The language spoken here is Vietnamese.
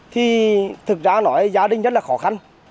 thì thực ra nói gia đình rất là khó khăn